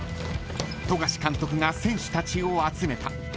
［富樫監督が選手たちを集めた］